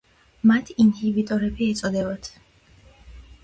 მათ ინჰიბიტორები ეწოდებათ.